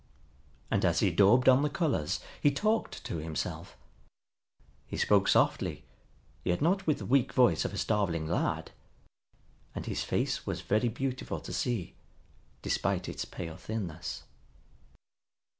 And as he daubed on the colors he talked to himself. He spoke softly, yet not with the weak voice of a starving lad; and his face was very beautiful to see, despite its pale thinness.